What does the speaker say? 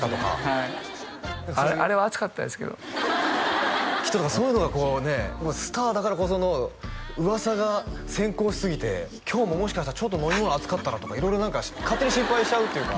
はいあれは熱かったですけどきっとだからそういうのがこうねスターだからこその噂が先行しすぎて今日ももしかしたらちょっと飲み物熱かったらとか色々何か勝手に心配しちゃうっていうか